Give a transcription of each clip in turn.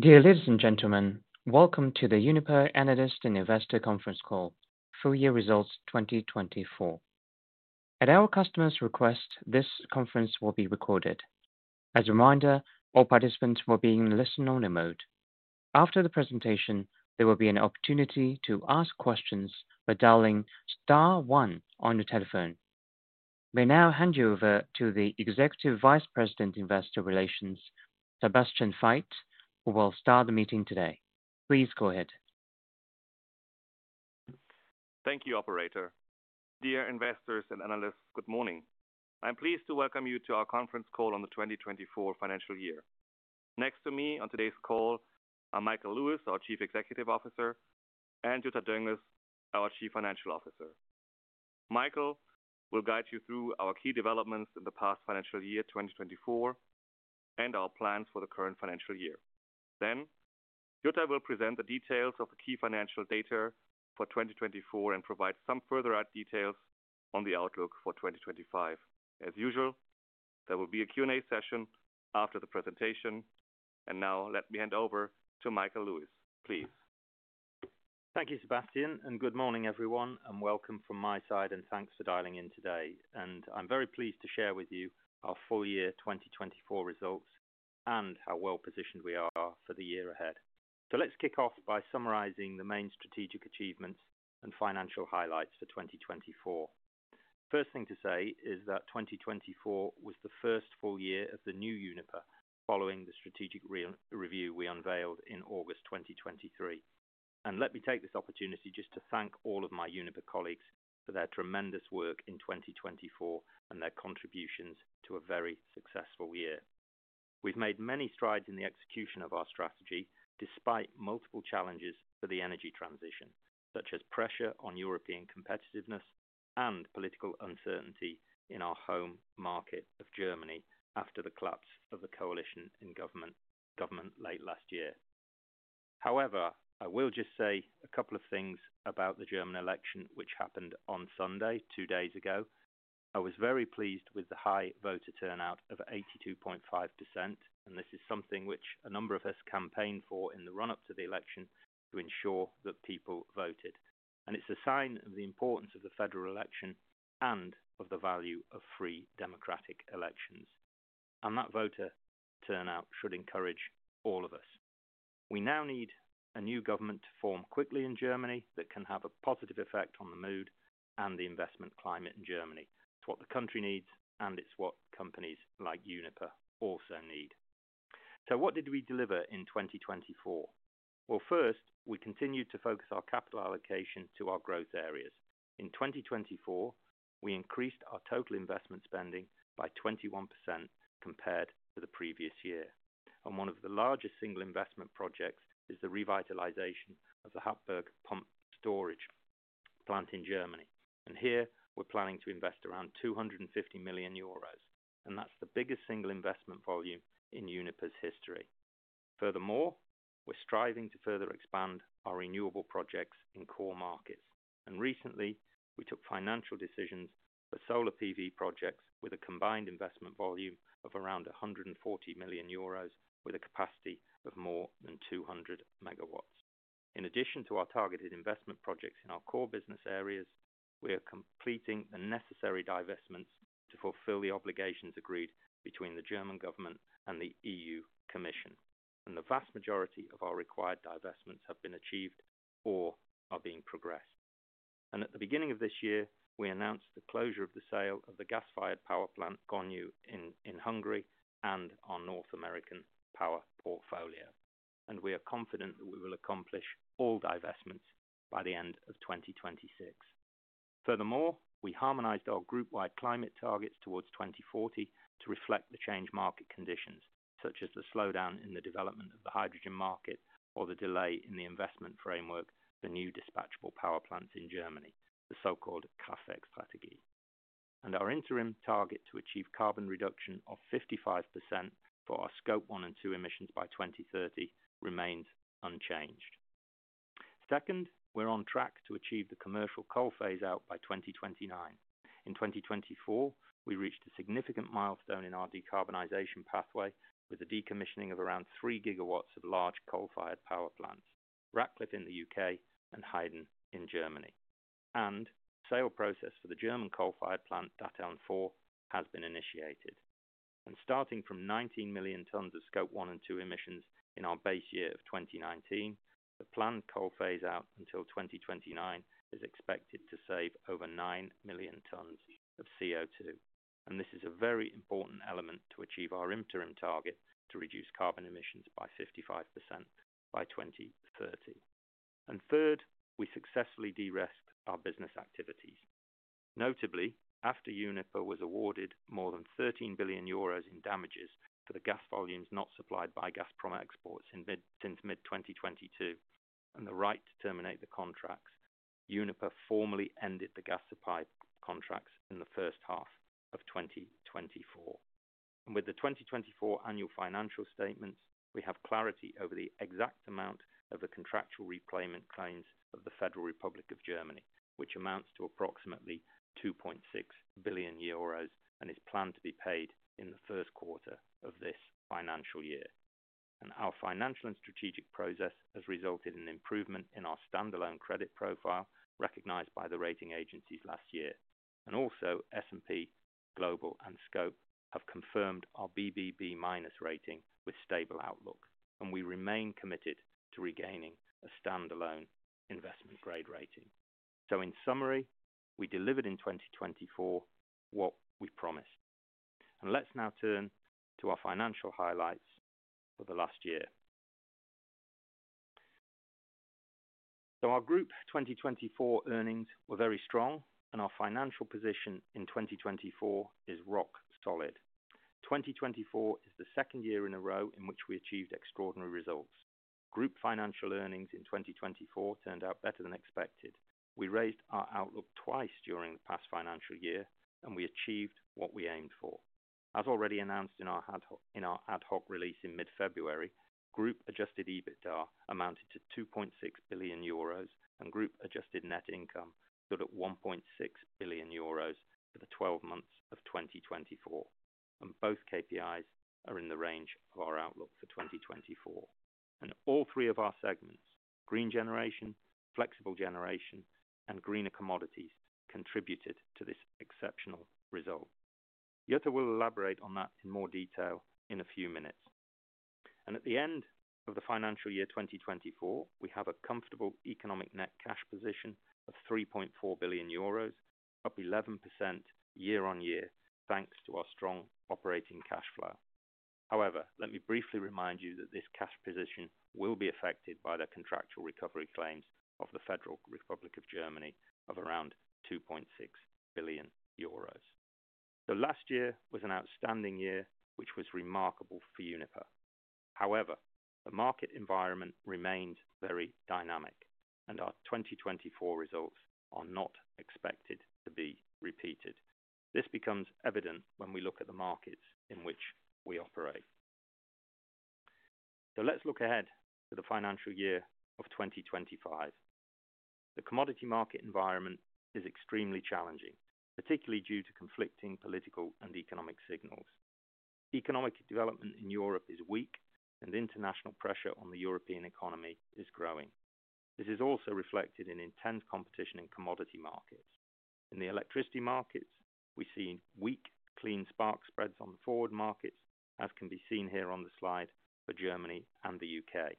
Dear ladies and gentlemen, welcome to the Uniper Analyst and Investor Conference Call, full year results 2024. At our customers' request, this conference will be recorded. As a reminder, all participants will be in listen-only mode. After the presentation, there will be an opportunity to ask questions by dialing star one on your telephone. We now hand you over to the Executive Vice President, Investor Relations, Sebastian Veit, who will start the meeting today. Please go ahead. Thank you, Operator. Dear Investors and Analysts, good morning. I'm pleased to welcome you to our conference call on the 2024 financial year. Next to me on today's call are Michael Lewis, our Chief Executive Officer, and Jutta Dönges, our Chief Financial Officer. Michael will guide you through our key developments in the past financial year 2024 and our plans for the current financial year. Then, Jutta will present the details of the key financial data for 2024 and provide some further details on the outlook for 2025. As usual, there will be a Q&A session after the presentation. And now, let me hand over to Michael Lewis. Please. Thank you, Sebastian, and good morning, everyone, and welcome from my side, and thanks for dialing in today, and I'm very pleased to share with you our full year 2024 results and how well-positioned we are for the year ahead, so let's kick off by summarizing the main strategic achievements and financial highlights for 2024. The first thing to say is that 2024 was the first full year of the new Uniper, following the strategic review we unveiled in August 2023, and let me take this opportunity just to thank all of my Uniper colleagues for their tremendous work in 2024 and their contributions to a very successful year. We've made many strides in the execution of our strategy, despite multiple challenges for the energy transition, such as pressure on European competitiveness and political uncertainty in our home market of Germany after the collapse of the coalition in government late last year. However, I will just say a couple of things about the German election, which happened on Sunday, two days ago. I was very pleased with the high voter turnout of 82.5%, and this is something which a number of us campaigned for in the run-up to the election to ensure that people voted, and it's a sign of the importance of the federal election and of the value of free democratic elections, and that voter turnout should encourage all of us. We now need a new government to form quickly in Germany that can have a positive effect on the mood and the investment climate in Germany. It's what the country needs, and it's what companies like Uniper also need. So what did we deliver in 2024? Well, first, we continued to focus our capital allocation to our growth areas. In 2024, we increased our total investment spending by 21% compared to the previous year, and one of the largest single investment projects is the revitalization of the Happurg pumped storage plant in Germany. And here, we're planning to invest around 250 million euros, and that's the biggest single investment volume in Uniper's history. Furthermore, we're striving to further expand our renewable projects in core markets, and recently, we took financial decisions for solar PV projects with a combined investment volume of around 140 million euros, with a capacity of more than 200 MW. In addition to our targeted investment projects in our core business areas, we are completing the necessary divestments to fulfill the obligations agreed between the German government and the EU Commission, and the vast majority of our required divestments have been achieved or are being progressed, and at the beginning of this year, we announced the closure of the sale of the gas-fired power plant Gönyű in Hungary and our North American power portfolio, and we are confident that we will accomplish all divestments by the end of 2026. Furthermore, we harmonized our group-wide climate targets toward 2040 to reflect the changed market conditions, such as the slowdown in the development of the hydrogen market or the delay in the investment framework for new dispatchable power plants in Germany, the so-called Kraftwerksstrategie. Our interim target to achieve carbon reduction of 55% for our Scope 1 and 2 emissions by 2030 remains unchanged. Second, we're on track to achieve the commercial coal phase-out by 2029. In 2024, we reached a significant milestone in our decarbonization pathway with a decommissioning of around 3 GW of large coal-fired power plants, Ratcliffe in the U.K. and Heyden in Germany. The sale process for the German coal-fired plant Datteln 4 has been initiated. Starting from 19 million tons of Scope 1 and 2 emissions in our base year of 2019, the planned coal phase-out until 2029 is expected to save over nine million tons of CO2. This is a very important element to achieve our interim target to reduce carbon emissions by 55% by 2030. Third, we successfully de-risked our business activities. Notably, after Uniper was awarded more than 13 billion euros in damages for the gas volumes not supplied by Gazprom Export since mid-2022 and the right to terminate the contracts, Uniper formally ended the gas supply contracts in the first half of 2024, and with the 2024 annual financial statements, we have clarity over the exact amount of the contractual repayment claims of the Federal Republic of Germany, which amounts to approximately 2.6 billion euros and is planned to be paid in the first quarter of this financial year, and our financial and strategic process has resulted in improvement in our standalone credit profile recognized by the rating agencies last year, and also, S&P Global and Scope have confirmed our BBB minus rating with stable outlook, and we remain committed to regaining a standalone investment-grade rating, so in summary, we delivered in 2024 what we promised. Let's now turn to our financial highlights for the last year. So our Group 2024 earnings were very strong, and our financial position in 2024 is rock solid. 2024 is the second year in a row in which we achieved extraordinary results. Group financial earnings in 2024 turned out better than expected. We raised our outlook twice during the past financial year, and we achieved what we aimed for. As already announced in our ad hoc release in mid-February, Group Adjusted EBITDA amounted to 2.6 billion euros, and Group Adjusted Net Income stood at 1.6 billion euros for the 12 months of 2024. Both KPIs are in the range of our outlook for 2024. All three of our segments, Green Generation, Flexible Generation, and Greener Commodities, contributed to this exceptional result. Jutta will elaborate on that in more detail in a few minutes. At the end of the financial year 2024, we have a comfortable economic net cash position of 3.4 billion euros, up 11% year-on-year, thanks to our strong operating cash flow. However, let me briefly remind you that this cash position will be affected by the contractual recovery claims of the Federal Republic of Germany of around 2.6 billion euros. Last year was an outstanding year, which was remarkable for Uniper. However, the market environment remains very dynamic, and our 2024 results are not expected to be repeated. This becomes evident when we look at the markets in which we operate. Let's look ahead to the financial year of 2025. The commodity market environment is extremely challenging, particularly due to conflicting political and economic signals. Economic development in Europe is weak, and international pressure on the European economy is growing. This is also reflected in intense competition in commodity markets. In the electricity markets, we see weak, clean spark spreads on the forward markets, as can be seen here on the slide for Germany and the U.K.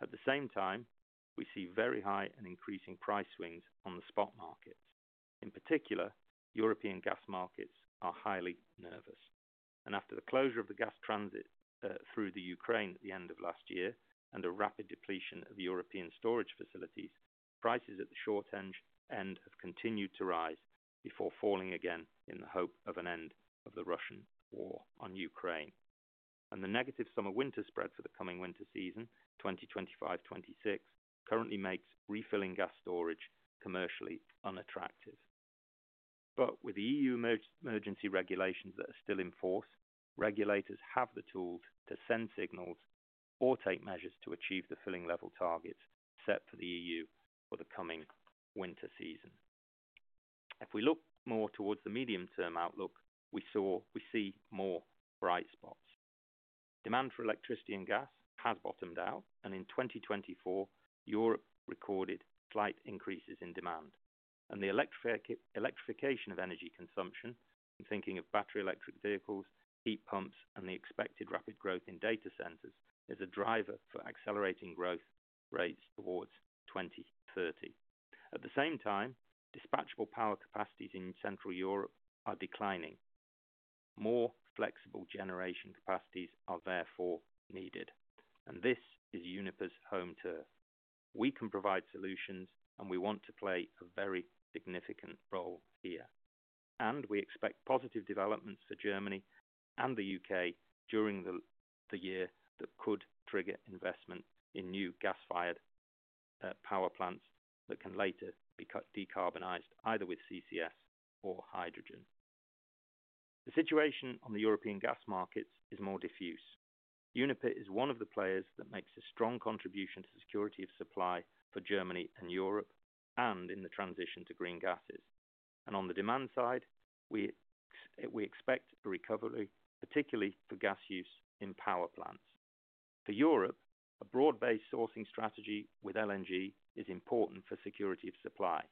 At the same time, we see very high and increasing price swings on the spot markets. In particular, European gas markets are highly nervous. After the closure of the gas transit through Ukraine at the end of last year and a rapid depletion of European storage facilities, prices at the short end have continued to rise before falling again in the hope of an end of the Russian war on Ukraine. The negative summer-winter spread for the coming winter season, 2025-2026, currently makes refilling gas storage commercially unattractive. But with the EU emergency regulations that are still in force, regulators have the tools to send signals or take measures to achieve the filling level targets set for the EU for the coming winter season. If we look more towards the medium-term outlook, we see more bright spots. Demand for electricity and gas has bottomed out, and in 2024, Europe recorded slight increases in demand. And the electrification of energy consumption, in thinking of battery-electric vehicles, heat pumps, and the expected rapid growth in data centers, is a driver for accelerating growth rates towards 2030. At the same time, dispatchable power capacities in Central Europe are declining. More flexible generation capacities are therefore needed. And this is Uniper's home turf. We can provide solutions, and we want to play a very significant role here. And we expect positive developments for Germany and the U.K. during the year that could trigger investment in new gas-fired power plants that can later be decarbonized, either with CCS or hydrogen. The situation on the European gas markets is more diffuse. Uniper is one of the players that makes a strong contribution to the security of supply for Germany and Europe and in the transition to green gases. And on the demand side, we expect a recovery, particularly for gas use in power plants. For Europe, a broad-based sourcing strategy with LNG is important for security of supply.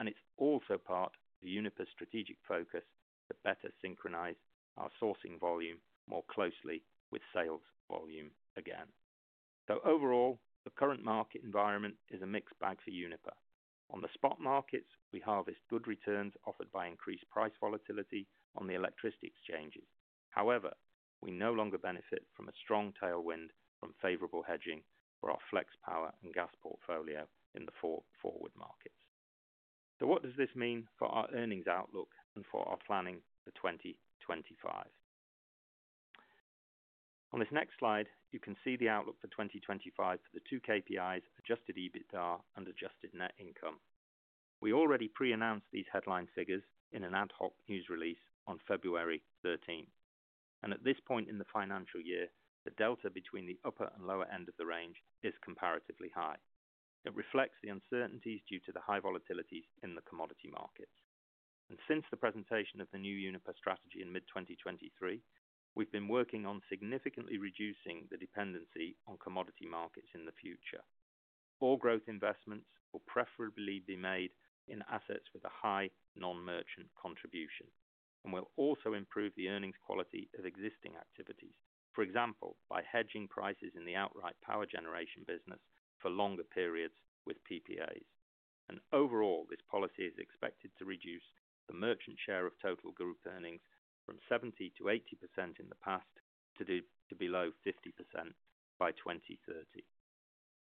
And it's also part of Uniper's strategic focus to better synchronize our sourcing volume more closely with sales volume again. So overall, the current market environment is a mixed bag for Uniper. On the spot markets, we harvest good returns offered by increased price volatility on the electricity exchanges. However, we no longer benefit from a strong tailwind from favorable hedging for our flex power and gas portfolio in the forward markets. So what does this mean for our earnings outlook and for our planning for 2025? On this next slide, you can see the outlook for 2025 for the two KPIs, Adjusted EBITDA and Adjusted Net Income. We already pre-announced these headline figures in an ad hoc news release on February 13. And at this point in the financial year, the delta between the upper and lower end of the range is comparatively high. It reflects the uncertainties due to the high volatilities in the commodity markets. And since the presentation of the new Uniper strategy in mid-2023, we've been working on significantly reducing the dependency on commodity markets in the future. All growth investments will preferably be made in assets with a high non-merchant contribution. We'll also improve the earnings quality of existing activities, for example, by hedging prices in the outright power generation business for longer periods with PPAs. Overall, this policy is expected to reduce the merchant share of total group earnings from 70% to 80% in the past to below 50% by 2030.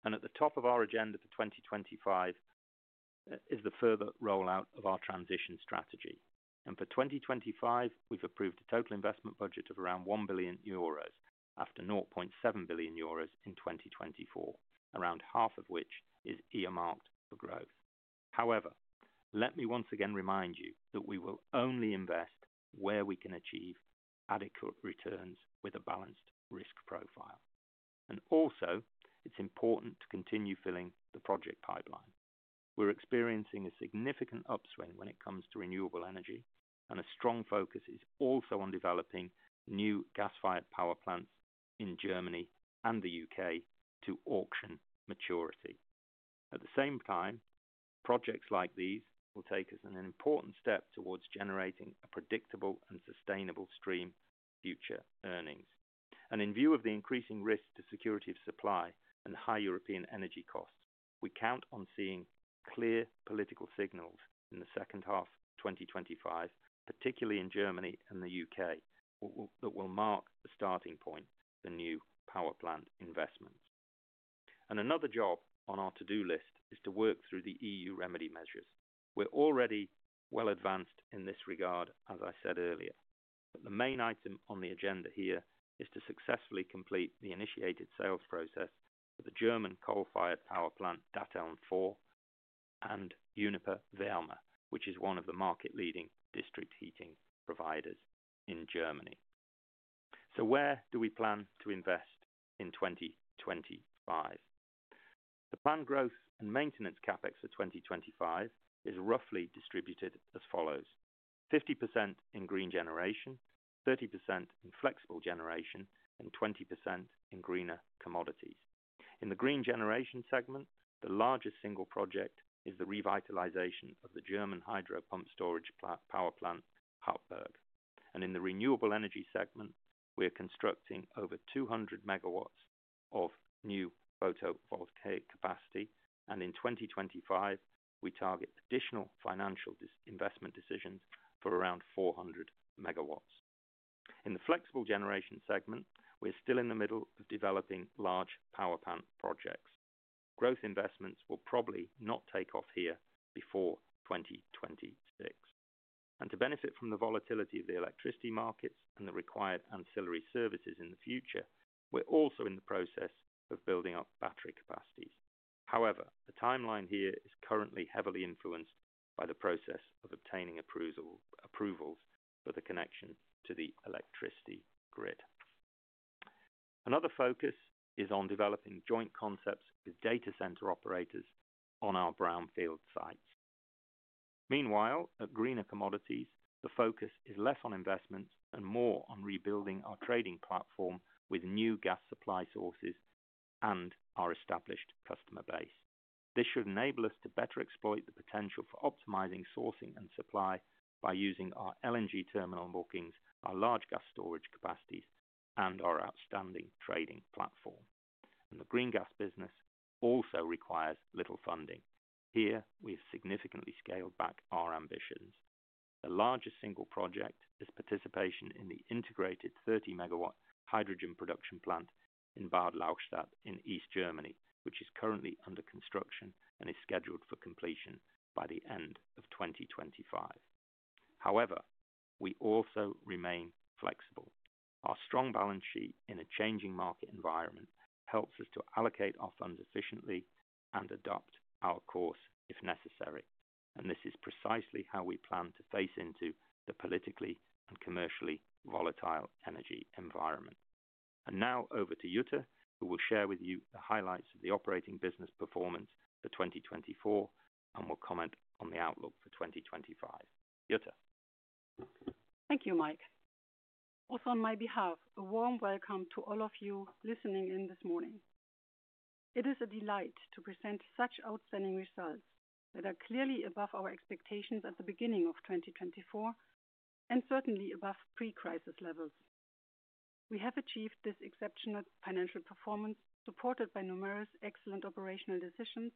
At the top of our agenda for 2025 is the further rollout of our transition strategy. For 2025, we've approved a total investment budget of around 1 billion euros after 0.7 billion euros in 2024, around half of which is earmarked for growth. However, let me once again remind you that we will only invest where we can achieve adequate returns with a balanced risk profile. Also, it's important to continue filling the project pipeline. We're experiencing a significant upswing when it comes to renewable energy, and a strong focus is also on developing new gas-fired power plants in Germany and the U.K. to auction maturity. At the same time, projects like these will take us an important step towards generating a predictable and sustainable stream of future earnings. And in view of the increasing risk to security of supply and high European energy costs, we count on seeing clear political signals in the second half of 2025, particularly in Germany and the U.K., that will mark the starting point for new power plant investments. And another job on our to-do list is to work through the EU remedy measures. We're already well advanced in this regard, as I said earlier. But the main item on the agenda here is to successfully complete the initiated sales process for the German coal-fired power plant Datteln 4 and Uniper Wärme, which is one of the market-leading district heating providers in Germany. So where do we plan to invest in 2025? The planned growth and maintenance CapEx for 2025 is roughly distributed as follows: 50% in green generation, 30% in flexible generation, and 20% in greener commodities. In the green generation segment, the largest single project is the revitalization of the German hydro pumped storage power plant Happurg. And in the renewable energy segment, we are constructing over 200 MW of new photovoltaic capacity. And in 2025, we target additional financial investment decisions for around 400 MW. In the flexible generation segment, we're still in the middle of developing large power plant projects. Growth investments will probably not take off here before 2026. To benefit from the volatility of the electricity markets and the required ancillary services in the future, we're also in the process of building up battery capacities. However, the timeline here is currently heavily influenced by the process of obtaining approvals for the connection to the electricity grid. Another focus is on developing joint concepts with data center operators on our brownfield sites. Meanwhile, at Greener Commodities, the focus is less on investments and more on rebuilding our trading platform with new gas supply sources and our established customer base. This should enable us to better exploit the potential for optimizing sourcing and supply by using our LNG terminal bookings, our large gas storage capacities, and our outstanding trading platform. The green gas business also requires little funding. Here, we have significantly scaled back our ambitions. The largest single project is participation in the integrated 30 MW hydrogen production plant in Bad Lauchstädt in East Germany, which is currently under construction and is scheduled for completion by the end of 2025. However, we also remain flexible. Our strong balance sheet in a changing market environment helps us to allocate our funds efficiently and adapt our course if necessary, and this is precisely how we plan to face into the politically and commercially volatile energy environment, and now over to Jutta, who will share with you the highlights of the operating business performance for 2024 and will comment on the outlook for 2025. Jutta. Thank you, Mike. Also, on my behalf, a warm welcome to all of you listening in this morning. It is a delight to present such outstanding results that are clearly above our expectations at the beginning of 2024 and certainly above pre-crisis levels. We have achieved this exceptional financial performance supported by numerous excellent operational decisions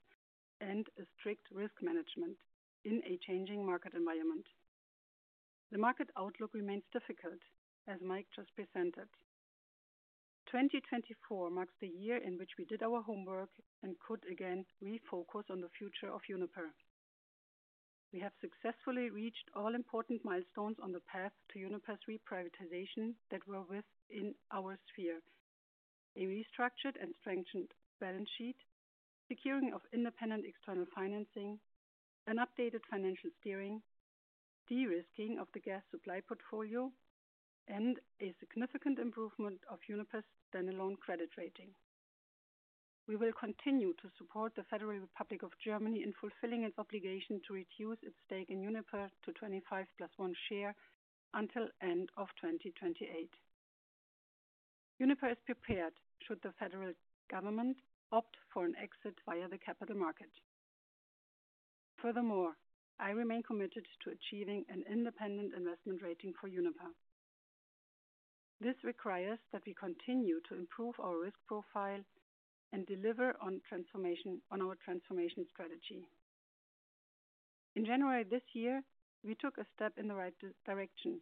and strict risk management in a changing market environment. The market outlook remains difficult, as Mike just presented. 2024 marks the year in which we did our homework and could again refocus on the future of Uniper. We have successfully reached all important milestones on the path to Uniper's reprivatization that were within our sphere: a restructured and strengthened balance sheet, securing independent external financing, an updated financial steering, de-risking of the gas supply portfolio, and a significant improvement of Uniper's standalone credit rating. We will continue to support the Federal Republic of Germany in fulfilling its obligation to reduce its stake in Uniper to 25 plus one share until the end of 2028. Uniper is prepared should the Federal Government opt for an exit via the capital market. Furthermore, I remain committed to achieving an independent investment rating for Uniper. This requires that we continue to improve our risk profile and deliver on our transformation strategy. In January this year, we took a step in the right direction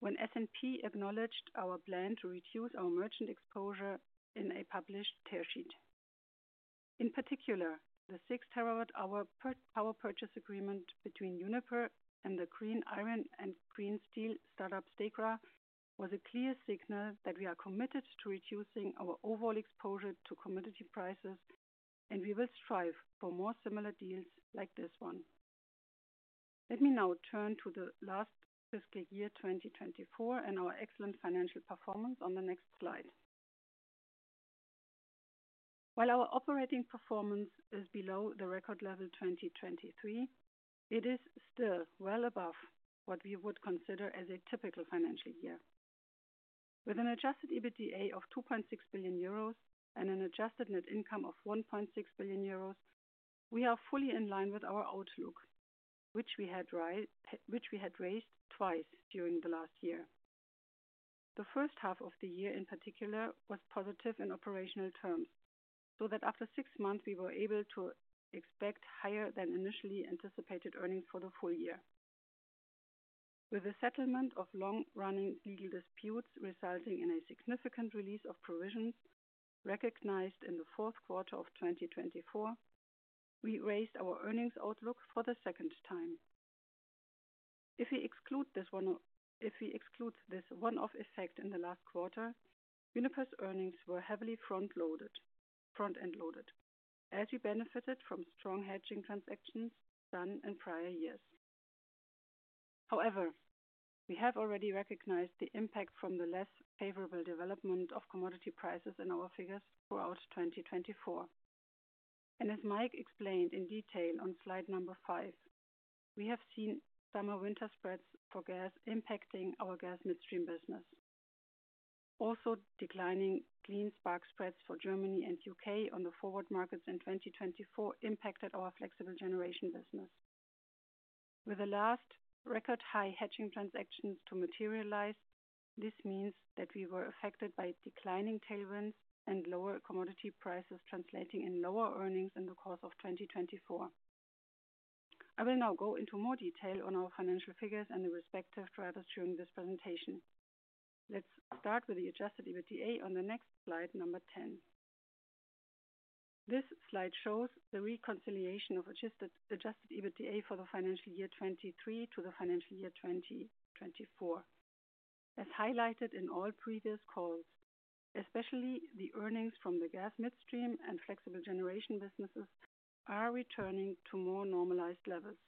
when S&P acknowledged our plan to reduce our merchant exposure in a published tear sheet. In particular, the 6 TWh power purchase agreement between Uniper and the green iron and green steel startup Stegra was a clear signal that we are committed to reducing our overall exposure to commodity prices, and we will strive for more similar deals like this one. Let me now turn to the last fiscal year 2024 and our excellent financial performance on the next slide. While our operating performance is below the record level 2023, it is still well above what we would consider as a typical financial year. With an Adjusted EBITDA of 2.6 billion euros and an Adjusted Net Income of 1.6 billion euros, we are fully in line with our outlook, which we had raised twice during the last year. The first half of the year, in particular, was positive in operational terms, so that after six months, we were able to expect higher than initially anticipated earnings for the full year. With the settlement of long-running legal disputes resulting in a significant release of provisions recognized in the fourth quarter of 2024, we raised our earnings outlook for the second time. If we exclude this one-off effect in the last quarter, Uniper's earnings were heavily front-end loaded, as we benefited from strong hedging transactions done in prior years. However, we have already recognized the impact from the less favorable development of commodity prices in our figures throughout 2024. As Mike explained in detail on slide number five, we have seen summer-winter spreads for gas impacting our gas midstream business. Also, declining clean spark spreads for Germany and U.K. on the forward markets in 2024 impacted our flexible generation business. With the last record-high hedging transactions to materialize, this means that we were affected by declining tailwinds and lower commodity prices translating in lower earnings in the course of 2024. I will now go into more detail on our financial figures and the respective drivers during this presentation. Let's start with the Adjusted EBITDA on the next slide, number 10. This slide shows the reconciliation of Adjusted EBITDA for the financial year 2023 to the financial year 2024. As highlighted in all previous calls, especially the earnings from the gas midstream and flexible generation businesses are returning to more normalized levels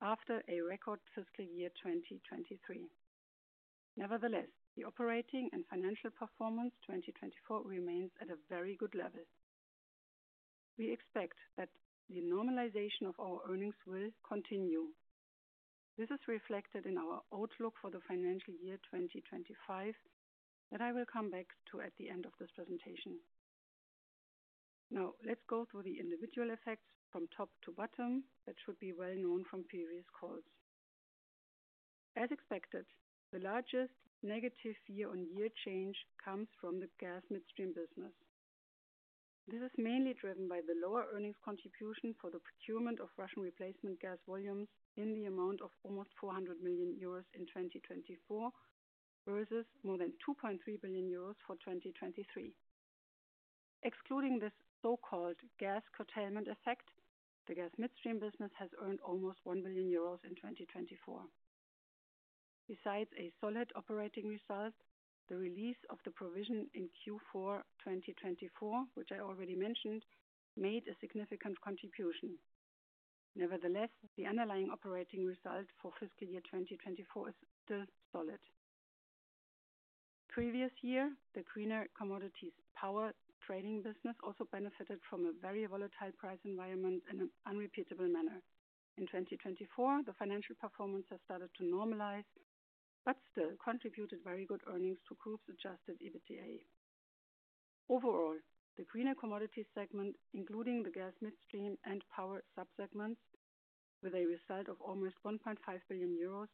after a record fiscal year 2023. Nevertheless, the operating and financial performance 2024 remains at a very good level. We expect that the normalization of our earnings will continue. This is reflected in our outlook for the financial year 2025 that I will come back to at the end of this presentation. Now, let's go through the individual effects from top to bottom that should be well known from previous calls. As expected, the largest negative year-on-year change comes from the gas midstream business. This is mainly driven by the lower earnings contribution for the procurement of Russian replacement gas volumes in the amount of almost 400 million euros in 2024 versus more than 2.3 billion euros for 2023. Excluding this so-called gas curtailment effect, the gas midstream business has earned almost 1 billion euros in 2024. Besides a solid operating result, the release of the provision in Q4 2024, which I already mentioned, made a significant contribution. Nevertheless, the underlying operating result for fiscal year 2024 is still solid. The previous year, the greener commodities power trading business also benefited from a very volatile price environment in an unrepeatable manner. In 2024, the financial performance has started to normalize, but still contributed very good earnings to group's Adjusted EBITDA. Overall, the greener commodities segment, including the gas midstream and power subsegments, with a result of almost 1.5 billion euros,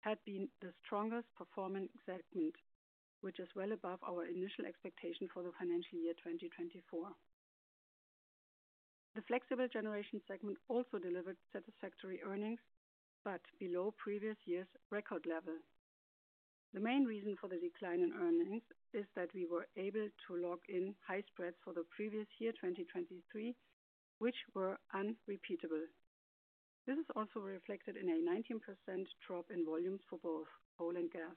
had been the strongest performing segment, which is well above our initial expectation for the financial year 2024. The flexible generation segment also delivered satisfactory earnings, but below previous year's record level. The main reason for the decline in earnings is that we were able to lock in high spreads for the previous year, 2023, which were unrepeatable. This is also reflected in a 19% drop in volumes for both coal and gas.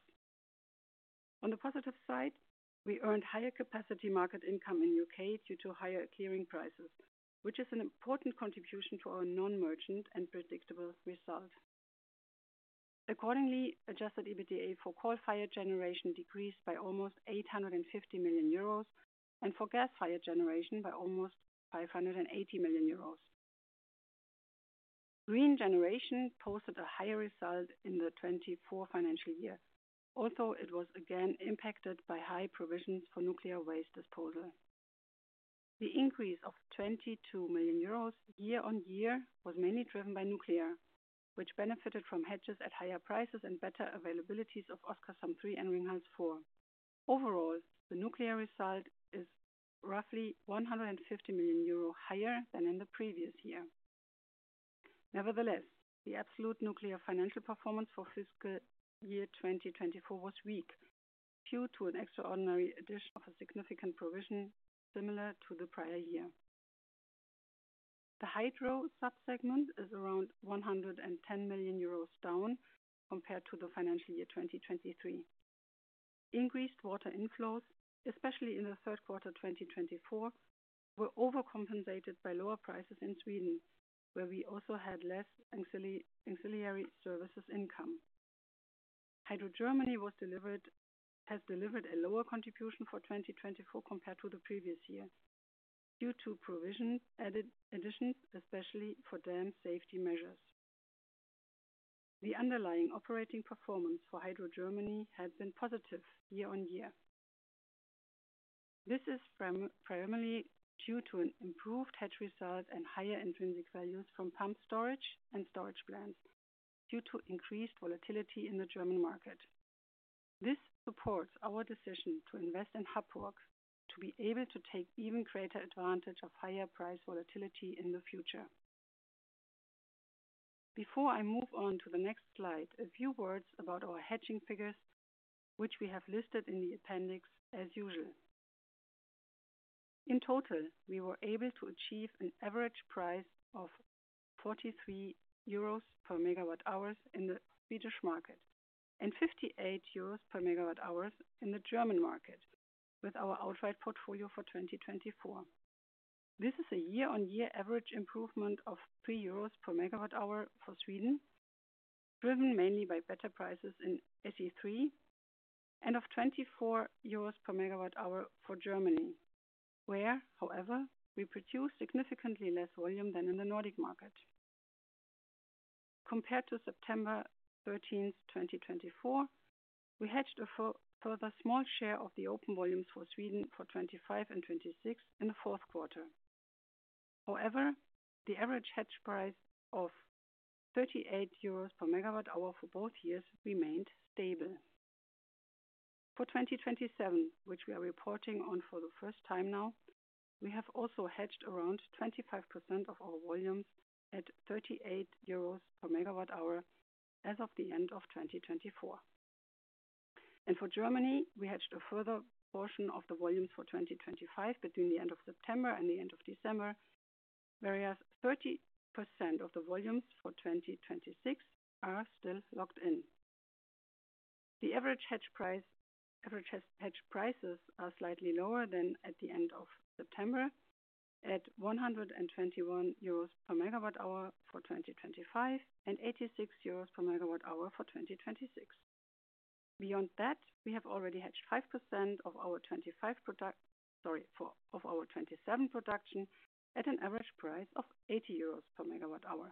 On the positive side, we earned higher capacity market income in the U.K. due to higher clearing prices, which is an important contribution to our non-merchant and predictable result. Accordingly, Adjusted EBITDA for coal-fired generation decreased by almost 850 million euros and for gas-fired generation by almost 580 million euros. Green generation posted a higher result in the 2024 financial year, although it was again impacted by high provisions for nuclear waste disposal. The increase of 22 million euros year-on-year was mainly driven by nuclear, which benefited from hedges at higher prices and better availabilities of Oskarshamn 3 and Ringhals 4. Overall, the nuclear result is roughly 150 million euro higher than in the previous year. Nevertheless, the absolute nuclear financial performance for fiscal year 2024 was weak, due to an extraordinary addition of a significant provision similar to the prior year. The hydro subsegment is around 110 million euros down compared to the financial year 2023. Increased water inflows, especially in the third quarter 2024, were overcompensated by lower prices in Sweden, where we also had less ancillary services income. Hydro Germany has delivered a lower contribution for 2024 compared to the previous year, due to provision additions, especially for dam safety measures. The underlying operating performance for Hydro Germany has been positive year-on-year. This is primarily due to an improved hedge result and higher intrinsic values from pumped storage and storage plants due to increased volatility in the German market. This supports our decision to invest in Happurg to be able to take even greater advantage of higher price volatility in the future. Before I move on to the next slide, a few words about our hedging figures, which we have listed in the appendix as usual. In total, we were able to achieve an average price of 43 euros per megawatt-hour in the Swedish market and 58 euros per megawatt-hour in the German market with our outright portfolio for 2024. This is a year-on-year average improvement of 3 euros per megawatt-hour for Sweden, driven mainly by better prices in SE3, and of 24 euros per megawatt-hour for Germany, where, however, we produce significantly less volume than in the Nordic market. Compared to September 13th, 2024, we hedged a further small share of the open volumes for Sweden for 2025 and 2026 in the fourth quarter. However, the average hedge price of 38 euros per megawatt-hour for both years remained stable. For 2027, which we are reporting on for the first time now, we have also hedged around 25% of our volumes at 38 euros per megawatt-hour as of the end of 2024. And for Germany, we hedged a further portion of the volumes for 2025 between the end of September and the end of December, whereas 30% of the volumes for 2026 are still locked in. The average hedge prices are slightly lower than at the end of September at 121 euros per megawatt-hour for 2025 and 86 euros per megawatt-hour for 2026. Beyond that, we have already hedged 5% of our 2027 production at an average price of 80 euros per megawatt-hour.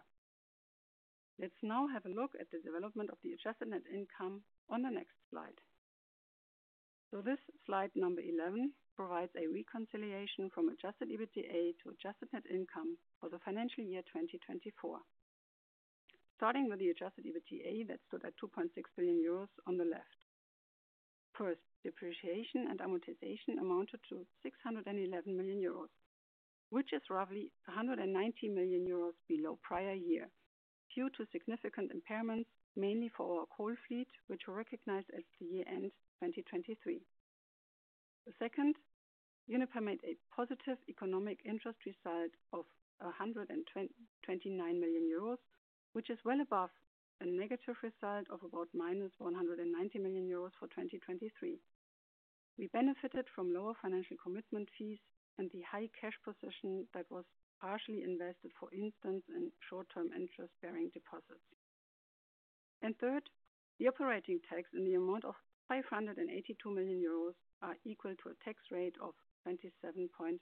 Let's now have a look at the development of the adjusted net income on the next slide. So this slide number 11 provides a reconciliation from adjusted EBITDA to adjusted net income for the financial year 2024, starting with the adjusted EBITDA that stood at 2.6 billion euros on the left. First, depreciation and amortization amounted to 611 million euros, which is roughly 190 million euros below prior year, due to significant impairments mainly for our coal fleet, which were recognized at the year-end 2023. Second, Uniper made a positive economic interest result of 129 million euros, which is well above a negative result of about 190 million euros for 2023. We benefited from lower financial commitment fees and the high cash position that was partially invested, for instance, in short-term interest-bearing deposits. Third, the operating tax in the amount of 582 million euros are equal to a tax rate of 27.3%.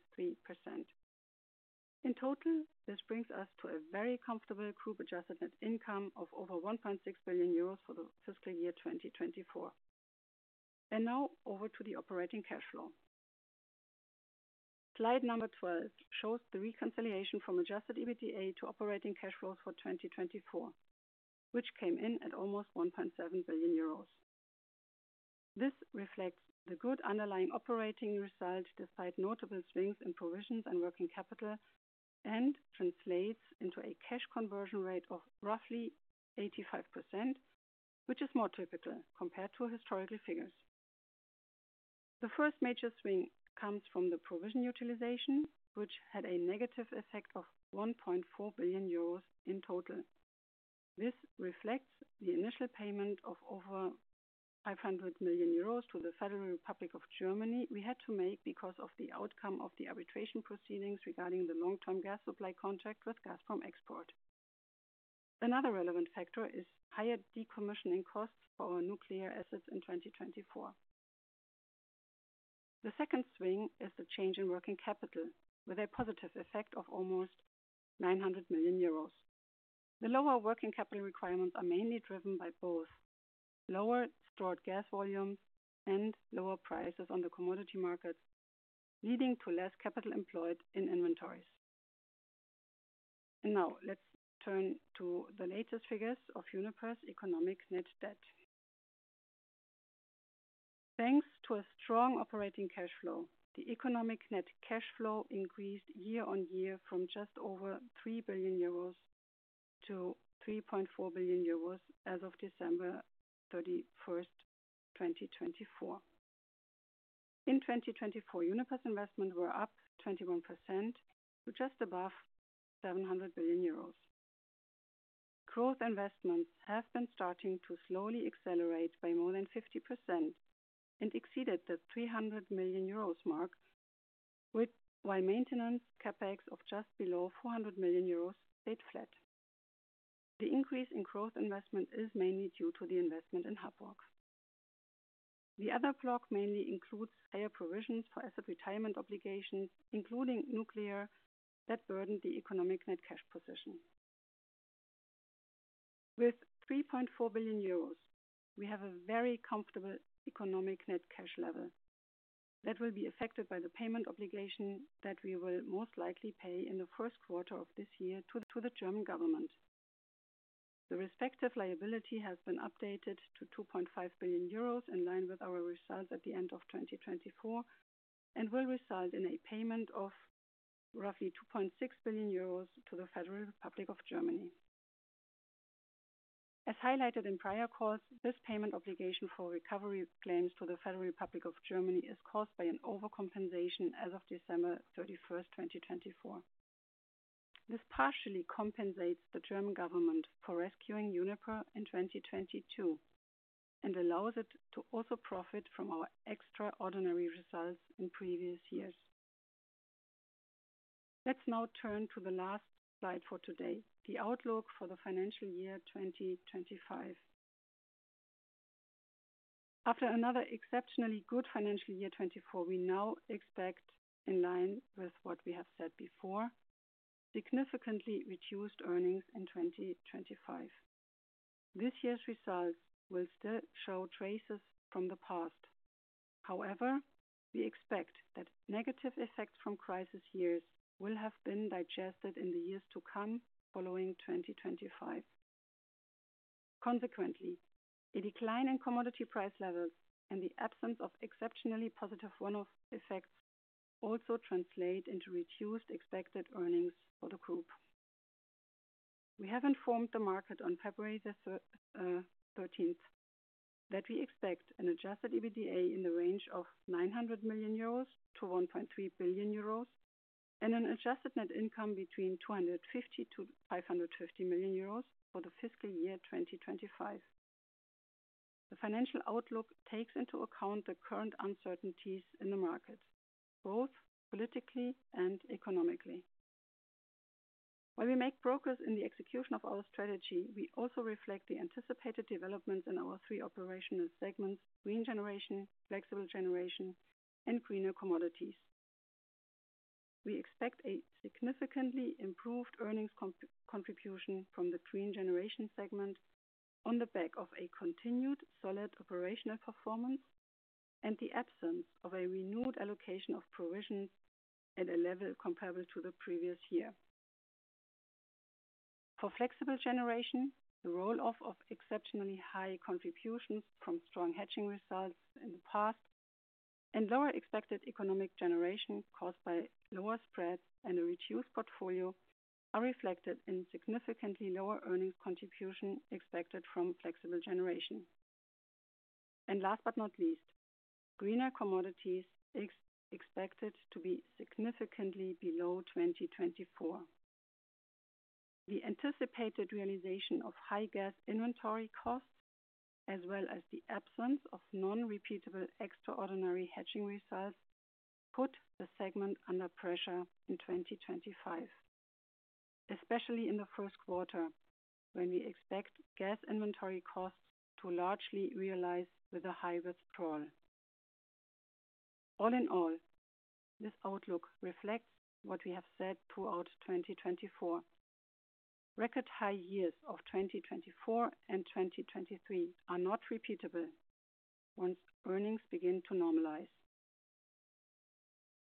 In total, this brings us to a very comfortable group adjusted net income of over 1.6 billion euros for the fiscal year 2024. Now over to the operating cash flow. Slide number 12 shows the reconciliation from adjusted EBITDA to operating cash flows for 2024, which came in at almost 1.7 billion euros. This reflects the good underlying operating result despite notable swings in provisions and working capital and translates into a cash conversion rate of roughly 85%, which is more typical compared to historical figures. The first major swing comes from the provision utilization, which had a negative effect of 1.4 billion euros in total. This reflects the initial payment of over 500 million euros to the Federal Republic of Germany we had to make because of the outcome of the arbitration proceedings regarding the long-term gas supply contract with Gazprom Export. Another relevant factor is higher decommissioning costs for our nuclear assets in 2024. The second swing is the change in working capital, with a positive effect of almost 900 million euros. The lower working capital requirements are mainly driven by both lower stored gas volumes and lower prices on the commodity markets, leading to less capital employed in inventories. Now let's turn to the latest figures of Uniper's economic net debt. Thanks to a strong operating cash flow, the economic net cash flow increased year-on-year from just over 3 billion euros to 3.4 billion euros as of December 31st, 2024. In 2024, Uniper's investments were up 21% to just above 700 billion euros. Growth investments have been starting to slowly accelerate by more than 50% and exceeded the 300 million euros mark, while maintenance CapEx of just below 400 million euros stayed flat. The increase in growth investment is mainly due to the investment in Happurg. The other block mainly includes higher provisions for asset retirement obligations, including nuclear, that burden the economic net cash position. With 3.4 billion euros, we have a very comfortable economic net cash level that will be affected by the payment obligation that we will most likely pay in the first quarter of this year to the German government. The respective liability has been updated to 2.5 billion euros in line with our result at the end of 2024 and will result in a payment of roughly 2.6 billion euros to the Federal Republic of Germany. As highlighted in prior calls, this payment obligation for recovery claims to the Federal Republic of Germany is caused by an overcompensation as of December 31st, 2024. This partially compensates the German government for rescuing Uniper in 2022 and allows it to also profit from our extraordinary results in previous years. Let's now turn to the last slide for today, the outlook for the financial year 2025. After another exceptionally good financial year 2024, we now expect, in line with what we have said before, significantly reduced earnings in 2025. This year's results will still show traces from the past. However, we expect that negative effects from crisis years will have been digested in the years to come following 2025. Consequently, a decline in commodity price levels and the absence of exceptionally positive runoff effects also translate into reduced expected earnings for the group. We have informed the market on February 13th that we expect an Adjusted EBITDA in the range of 900 million-1.3 billion euros and an Adjusted Net Income between 250 million-550 million euros for the fiscal year 2025. The financial outlook takes into account the current uncertainties in the market, both politically and economically. When we make progress in the execution of our strategy, we also reflect the anticipated developments in our three operational segments: green generation, flexible generation, and greener commodities. We expect a significantly improved earnings contribution from the Green Generation segment on the back of a continued solid operational performance and the absence of a renewed allocation of provisions at a level comparable to the previous year. For Flexible Generation, the roll-off of exceptionally high contributions from strong hedging results in the past and lower expected economic generation caused by lower spreads and a reduced portfolio are reflected in significantly lower earnings contribution expected from Flexible Generation, and last but not least, Green Commodities expected to be significantly below 2024. The anticipated realization of high gas inventory costs, as well as the absence of non-repeatable extraordinary hedging results, put the segment under pressure in 2025, especially in the first quarter, when we expect gas inventory costs to largely realize with a higher withdrawal. All in all, this outlook reflects what we have said throughout 2024. Record high years of 2024 and 2023 are not repeatable once earnings begin to normalize.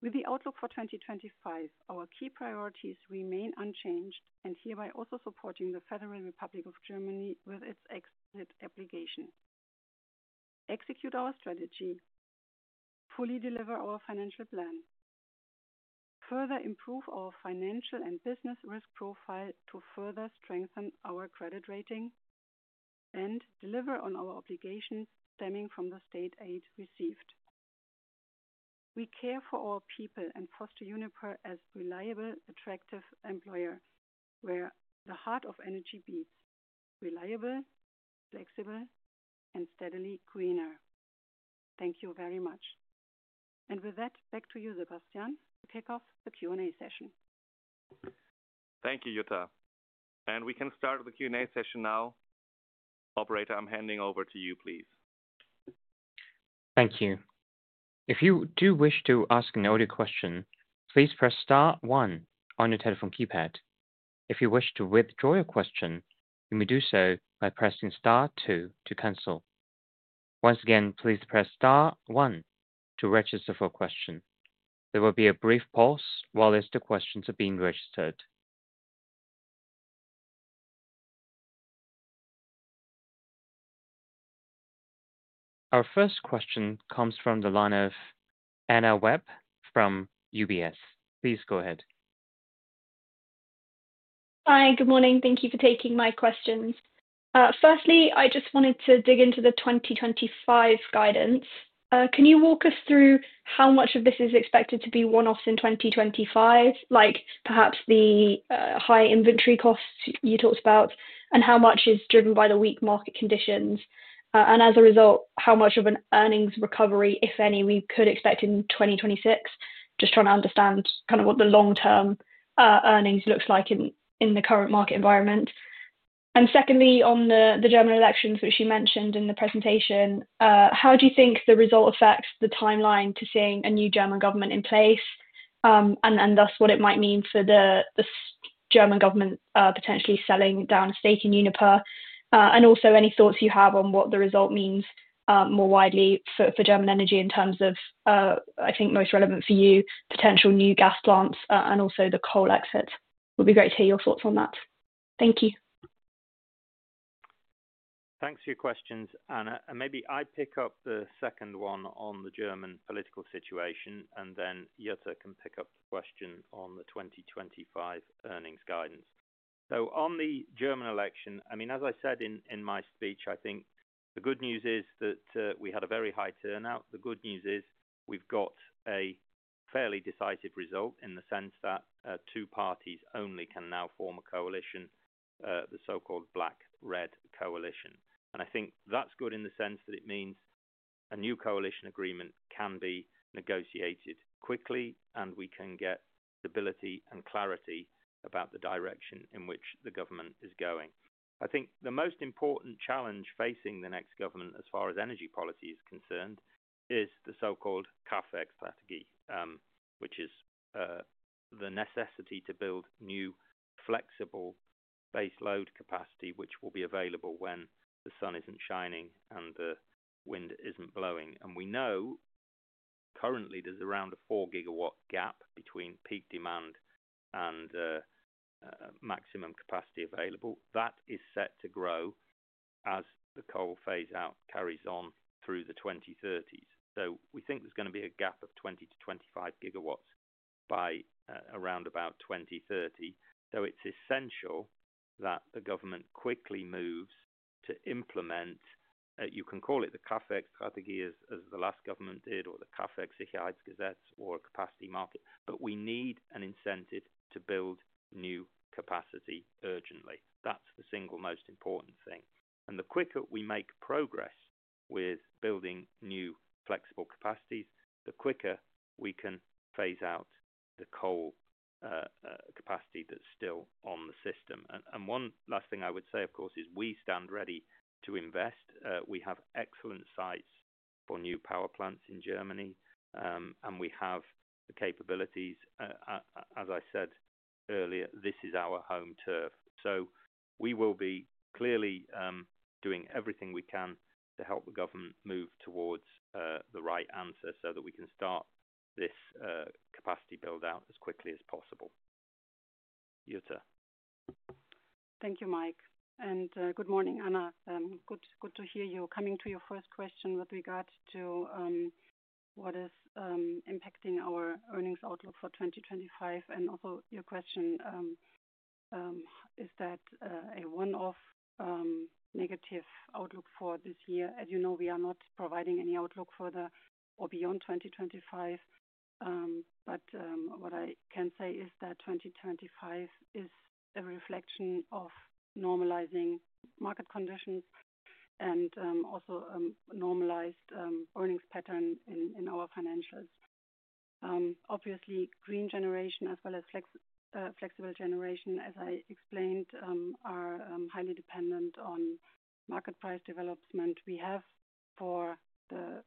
With the outlook for 2025, our key priorities remain unchanged and hereby also supporting the Federal Republic of Germany with its exit obligation. Execute our strategy, fully deliver our financial plan, further improve our financial and business risk profile to further strengthen our credit rating, and deliver on our obligations stemming from the state aid received. We care for our people and foster Uniper as a reliable, attractive employer where the heart of energy beats: reliable, flexible, and steadily greener. Thank you very much. And with that, back to you, Sebastian, to kick off the Q&A session. Thank you, Jutta. And we can start the Q&A session now. Operator, I'm handing over to you, please. Thank you. If you do wish to ask an audio question, please press star one on your telephone keypad. If you wish to withdraw your question, you may do so by pressing star two to cancel. Once again, please press star one to register for a question. There will be a brief pause while listed questions are being registered. Our first question comes from the line of Anna Webb from UBS. Please go ahead. Hi, good morning. Thank you for taking my questions. Firstly, I just wanted to dig into the 2025 guidance. Can you walk us through how much of this is expected to be one-offs in 2025, like perhaps the high inventory costs you talked about, and how much is driven by the weak market conditions? And as a result, how much of an earnings recovery, if any, we could expect in 2026, just trying to understand kind of what the long-term earnings look like in the current market environment? And secondly, on the German elections, which you mentioned in the presentation, how do you think the result affects the timeline to seeing a new German government in place and thus what it might mean for the German government potentially selling down a stake in Uniper? And also, any thoughts you have on what the result means more widely for German energy in terms of, I think, most relevant for you, potential new gas plants and also the coal exit? It would be great to hear your thoughts on that. Thank you. Thanks for your questions, Anna. And maybe I pick up the second one on the German political situation, and then Jutta can pick up the question on the 2025 earnings guidance. So on the German election, I mean, as I said in my speech, I think the good news is that we had a very high turnout. The good news is we've got a fairly decisive result in the sense that two parties only can now form a coalition, the so-called Black-Red Coalition. And I think that's good in the sense that it means a new coalition agreement can be negotiated quickly, and we can get stability and clarity about the direction in which the government is going. I think the most important challenge facing the next government as far as energy policy is concerned is the so-called Kraftwerksstrategie, which is the necessity to build new flexible base load capacity, which will be available when the sun isn't shining and the wind isn't blowing. And we know currently there's around a four-gigawatt gap between peak demand and maximum capacity available. That is set to grow as the coal phase-out carries on through the 2030s. So we think there's going to be a gap of 20 GW-25 GW by around about 2030. So it's essential that the government quickly moves to implement, you can call it the Kraftwerksstrategie, as the last government did, or the Kraftwerksstrategie, or a capacity market. But we need an incentive to build new capacity urgently. That's the single most important thing. And the quicker we make progress with building new flexible capacities, the quicker we can phase out the coal capacity that's still on the system. And one last thing I would say, of course, is we stand ready to invest. We have excellent sites for new power plants in Germany, and we have the capabilities. As I said earlier, this is our home turf. So we will be clearly doing everything we can to help the government move towards the right answer so that we can start this capacity build-out as quickly as possible. Jutta. Thank you, Mike. And good morning, Anna. Good to hear you coming to your first question with regard to what is impacting our earnings outlook for 2025. And also your question is that a one-off negative outlook for this year. As you know, we are not providing any outlook further or beyond 2025. But what I can say is that 2025 is a reflection of normalizing market conditions and also a normalized earnings pattern in our financials. Obviously, green generation as well as flexible generation, as I explained, are highly dependent on market price development. We have for the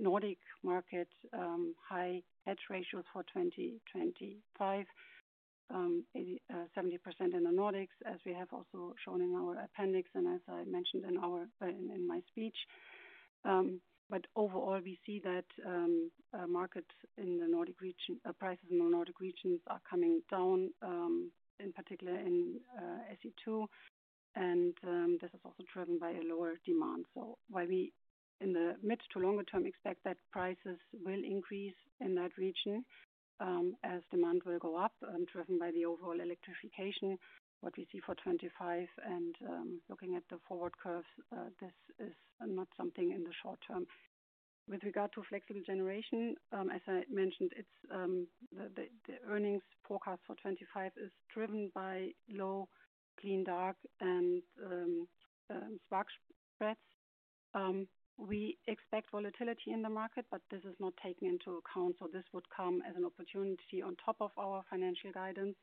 Nordic market high hedge ratios for 2025, 70% in the Nordics, as we have also shown in our appendix and as I mentioned in my speech. But overall, we see that markets in the Nordic region, prices in the Nordic regions are coming down, in particular in SE2. And this is also driven by a lower demand. So while we in the mid to longer term expect that prices will increase in that region as demand will go up and driven by the overall electrification, what we see for 2025. And looking at the forward curves, this is not something in the short term. With regard to flexible generation, as I mentioned, the earnings forecast for 2025 is driven by low clean dark and spark spreads. We expect volatility in the market, but this is not taken into account. So this would come as an opportunity on top of our financial guidance.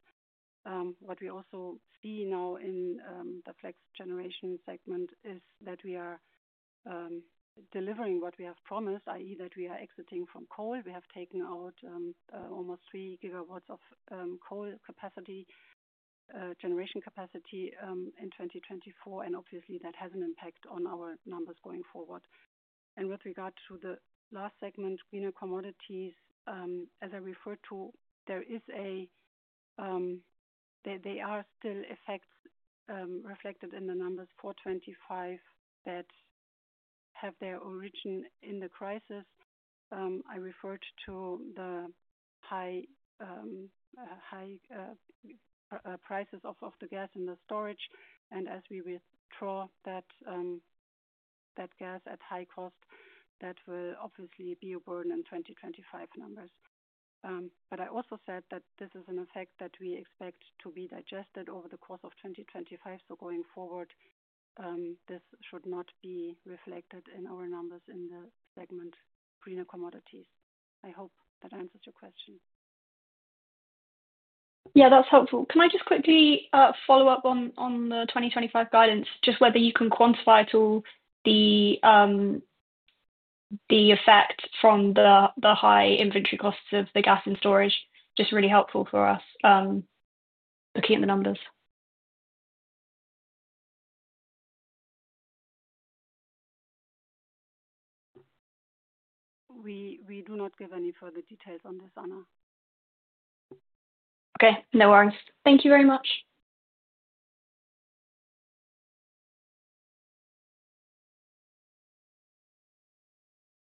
What we also see now in the flex generation segment is that we are delivering what we have promised, i.e., that we are exiting from coal. We have taken out almost three gigawatts of coal generation capacity in 2024. And obviously, that has an impact on our numbers going forward. And with regard to the last segment, greener commodities, as I referred to, there are still effects reflected in the numbers for 2025 that have their origin in the crisis. I referred to the high prices of the gas in the storage. And as we withdraw that gas at high cost, that will obviously be a burden in 2025 numbers. But I also said that this is an effect that we expect to be digested over the course of 2025. So going forward, this should not be reflected in our numbers in the segment of greener commodities. I hope that answers your question. Yeah, that's helpful. Can I just quickly follow up on the 2025 guidance, just whether you can quantify at all the effect from the high inventory costs of the gas in storage? Just really helpful for us looking at the numbers. We do not give any further details on this, Anna. Okay, no worries. Thank you very much.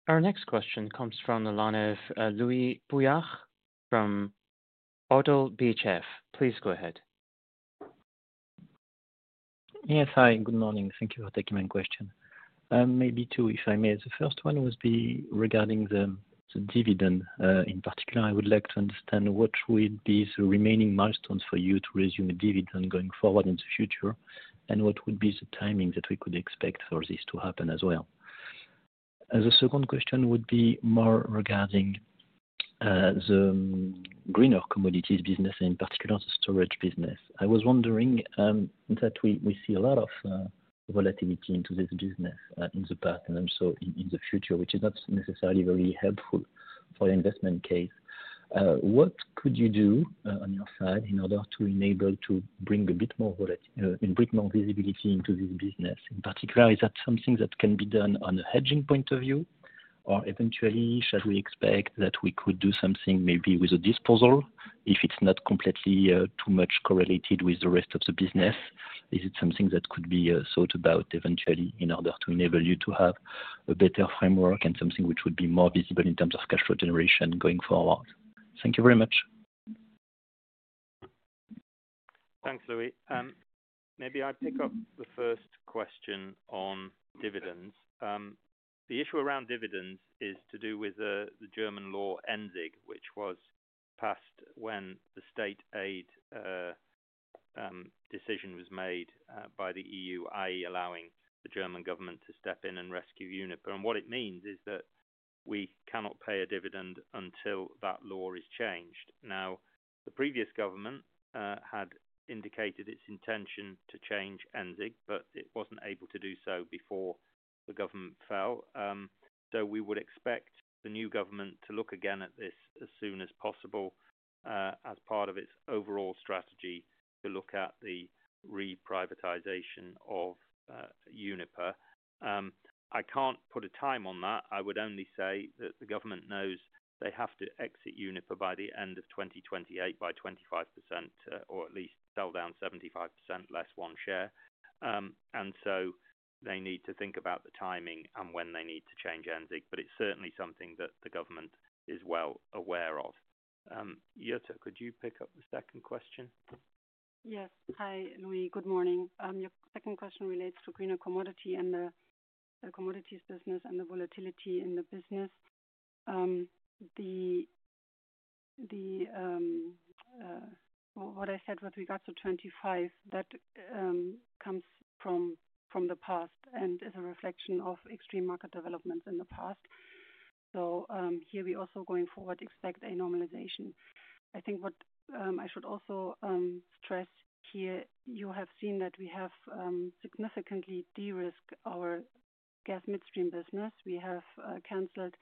Our next question comes from the line of Louis Boujard from Oddo BHF. Please go ahead. Yes, hi, good morning. Thank you for taking my question. Maybe two, if I may. The first one would be regarding the dividend. In particular, I would like to understand what would be the remaining milestones for you to resume a dividend going forward in the future, and what would be the timing that we could expect for this to happen as well. The second question would be more regarding the greener commodities business, and in particular, the storage business. I was wondering that we see a lot of volatility into this business in the past and also in the future, which is not necessarily very helpful for your investment case. What could you do on your side in order to enable to bring a bit more visibility into this business? In particular, is that something that can be done on a hedging point of view, or eventually, should we expect that we could do something maybe with a disposal if it's not completely too much correlated with the rest of the business? Is it something that could be thought about eventually in order to enable you to have a better framework and something which would be more visible in terms of cash flow generation going forward? Thank you very much. Thanks, Louis. Maybe I'll pick up the first question on dividends. The issue around dividends is to do with the German law, EnSiG, which was passed when the state aid decision was made by the EU, i.e., allowing the German government to step in and rescue Uniper. And what it means is that we cannot pay a dividend until that law is changed. Now, the previous government had indicated its intention to change EnSiG, but it wasn't able to do so before the government fell. So we would expect the new government to look again at this as soon as possible as part of its overall strategy to look at the reprivatization of Uniper. I can't put a time on that. I would only say that the government knows they have to exit Uniper by the end of 2028 by 25%, or at least sell down 75%, less one share. And so they need to think about the timing and when they need to change EnSiG. But it's certainly something that the government is well aware of. Jutta, could you pick up the second question? Yes. Hi, Louis. Good morning. Your second question relates to green commodity and the commodities business and the volatility in the business. What I said with regard to 2025, that comes from the past and is a reflection of extreme market developments in the past. So here, we also going forward expect a normalization. I think what I should also stress here, you have seen that we have significantly de-risked our gas midstream business. We have canceled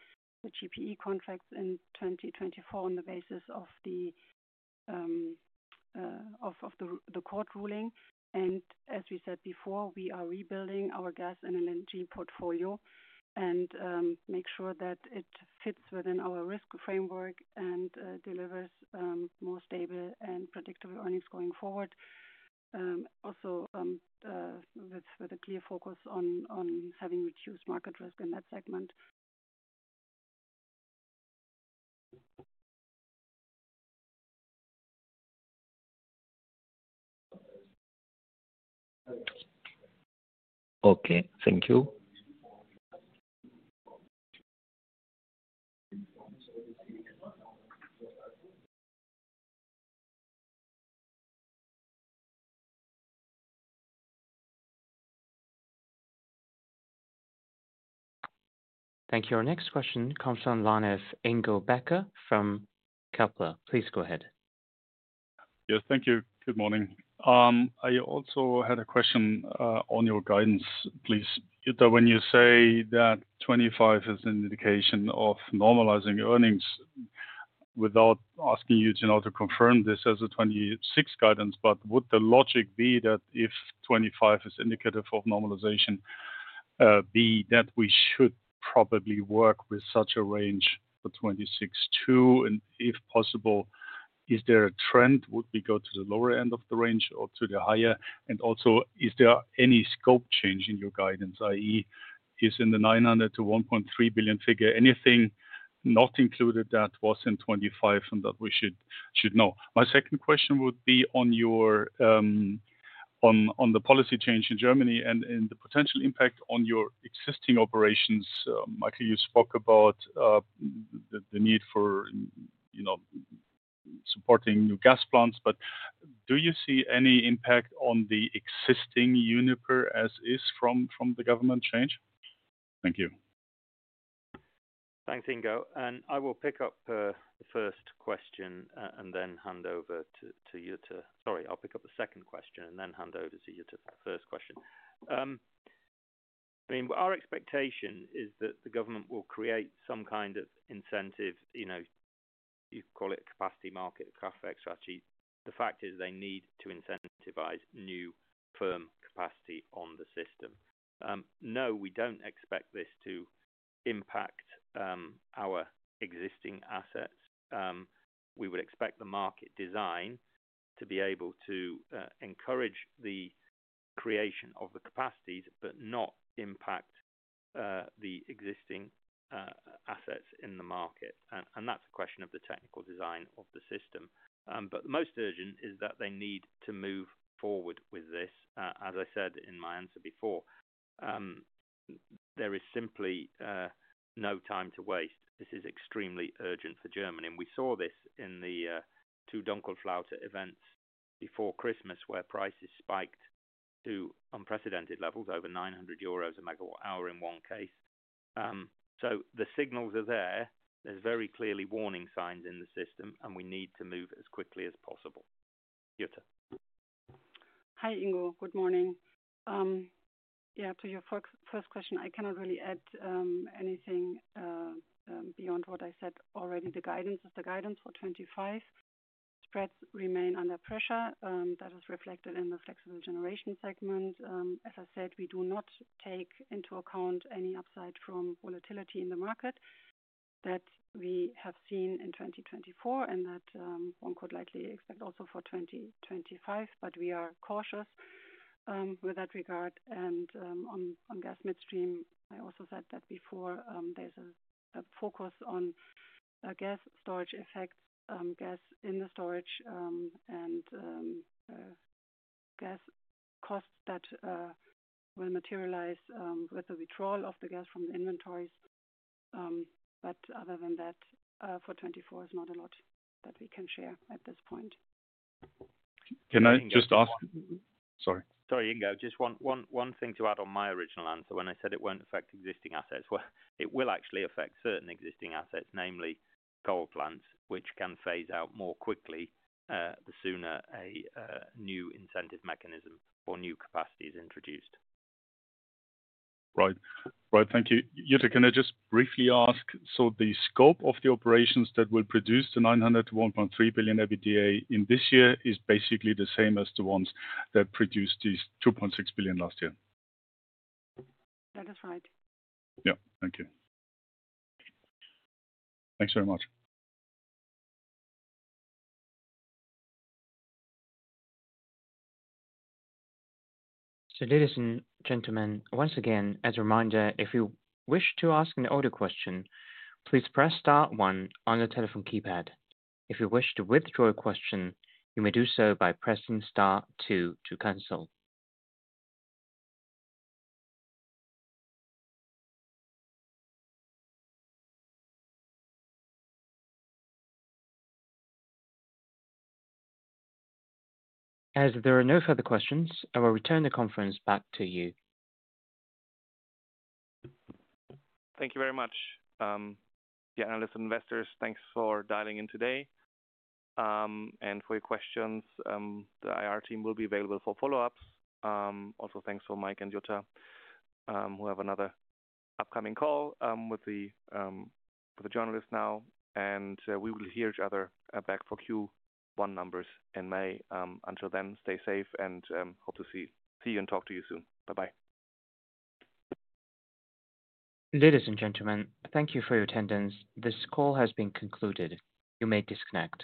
the GPE contracts in 2024 on the basis of the court ruling. And as we said before, we are rebuilding our gas and LNG portfolio and make sure that it fits within our risk framework and delivers more stable and predictable earnings going forward. Also with a clear focus on having reduced market risk in that segment. Okay, thank you. Thank you. Our next question comes from the line of Ingo Becker from Kepler Cheuvreux. Please go ahead. Yes, thank you. Good morning. I also had a question on your guidance, please. When you say that 2025 is an indication of normalizing earnings without asking you to confirm this as a 2026 guidance, but would the logic be that if 2025 is indicative of normalization, be that we should probably work with such a range for 2026 too? And if possible, is there a trend? Would we go to the lower end of the range or to the higher? And also, is there any scope change in your guidance, i.e., is in the 900 million-1.3 billion figure anything not included that was in 2025 and that we should know? My second question would be on the policy change in Germany and the potential impact on your existing operations. Michael, you spoke about the need for supporting new gas plants, but do you see any impact on the existing Uniper as is from the government change? Thank you. Thanks, Ingo. And I will pick up the first question and then hand over to Jutta. Sorry, I'll pick up the second question and then hand over to Jutta for the first question. I mean, our expectation is that the government will create some kind of incentive, you call it a capacity market, Kraftwerksstrategie. The fact is they need to incentivize new firm capacity on the system. No, we don't expect this to impact our existing assets. We would expect the market design to be able to encourage the creation of the capacities, but not impact the existing assets in the market. And that's a question of the technical design of the system. But the most urgent is that they need to move forward with this. As I said in my answer before, there is simply no time to waste. This is extremely urgent for Germany. And we saw this in the two Dunkelflaute events before Christmas where prices spiked to unprecedented levels, over 900 euros megawatt hour in one case. So the signals are there. There are very clear warning signs in the system, and we need to move as quickly as possible. Jutta. Hi, Ingo. Good morning. Yeah, to your first question, I cannot really add anything beyond what I said already. The guidance is the guidance for 2025. Spreads remain under pressure. That is reflected in the flexible generation segment. As I said, we do not take into account any upside from volatility in the market that we have seen in 2024 and that one could likely expect also for 2025, but we are cautious in that regard. On gas midstream, I also said that before, there's a focus on gas storage effects, gas in the storage, and gas costs that will materialize with the withdrawal of the gas from the inventories. Other than that, for 2024, it's not a lot that we can share at this point. Can I just ask? Sorry. Sorry, Ingo. Just one thing to add on my original answer. When I said it won't affect existing assets, it will actually affect certain existing assets, namely coal plants, which can phase out more quickly the sooner a new incentive mechanism or new capacity is introduced. Right. Right. Thank you. Jutta, can I just briefly ask, so the scope of the operations that will produce the 0.9 billion-1.3 billion EBITDA in this year is basically the same as the ones that produced these 2.6 billion last year? That is right. Yeah. Thank you. Thanks very much. Ladies and gentlemen, once again, as a reminder, if you wish to ask an audio question, please press star one on the telephone keypad. If you wish to withdraw a question, you may do so by pressing star two to cancel. As there are no further questions, I will return the conference back to you. Thank you very much. Yeah, and listen, investors, thanks for dialing in today. And for your questions, the IR team will be available for follow-ups. Also, thanks to Mike and Jutta, who have another upcoming call with the journalist now. And we will hear each other back for Q1 numbers in May. Until then, stay safe and hope to see you and talk to you soon. Bye-bye. Ladies and gentlemen, thank you for your attendance. This call has been concluded. You may disconnect.